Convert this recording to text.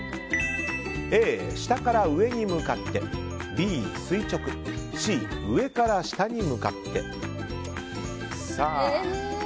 Ａ、下から上に向かってＢ、垂直Ｃ、上から下に向かって。